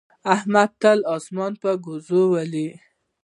احمد تل اسمان په ګوزو ولي.